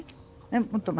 もっと前？